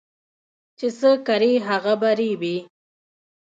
چې څه کرې هغه به ريبې